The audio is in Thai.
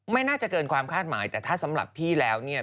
ไม่น่าจะเกินความคาดหมายแต่ถ้าสำหรับพี่แล้วเนี่ย